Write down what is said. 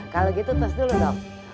kalau gitu tos dulu dong